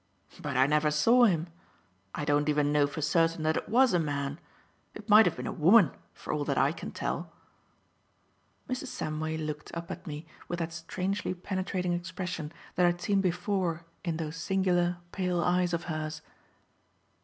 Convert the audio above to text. "But I never saw him. I don't even know for certain that it was a man. It might have been a woman for all that I can tell." Mrs. Samway looked, up at me with that strangely penetrating expression that I had seen before in those singular, pale eyes of hers.